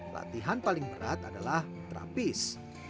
latihan paling berat adalah terapis